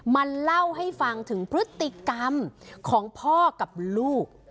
มาเล่าให้ฟังถึงพฤติกรรมของพ่อกับลูก